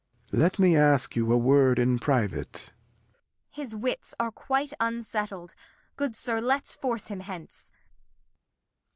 Lear. 'Let me ask you a Word in private. Kent. His Wits are quite unsettled; good Sir, let's force him hence.